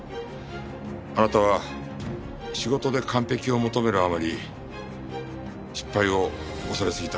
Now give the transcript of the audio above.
あなたは仕事で完璧を求めるあまり失敗を恐れすぎた。